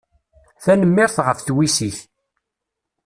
Tanemmirt ɣef twissi-k.